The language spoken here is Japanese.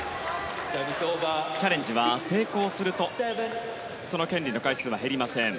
チャレンジは成功すると権利の回数は減りません。